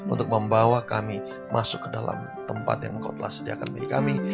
untuk membawa kami masuk ke dalam tempat yang engkau telah sediakan bagi kami